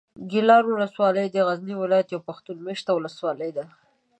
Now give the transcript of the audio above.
ګیلان اولسوالي د غزني ولایت یوه پښتون مېشته اولسوالي ده.